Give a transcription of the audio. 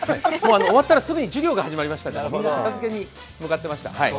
終わったらすぐに授業が始まりましたから、みんな片づけに向かっていました。